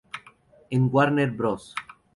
En Warner Bros.